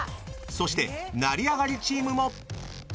そして、成り上がりチームも。